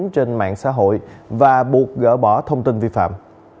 trên mạng xã hội và buộc gỡ bỏ thông tin vi phạm